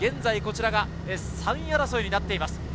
現在こちらが３位争いになっています。